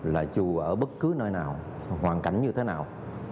là dù ở bất cứ nơi nào hoàn cảnh như thế nào